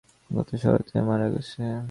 গত শরতে মারা গেছে।